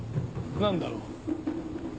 何だろう。